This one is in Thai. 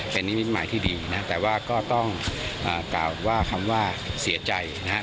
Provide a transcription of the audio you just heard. เป็นนิมิตหมายที่ดีนะแต่ว่าก็ต้องกล่าวว่าคำว่าเสียใจนะฮะ